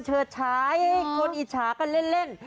เฉิดฉายให้คนอิจฉากันเล่น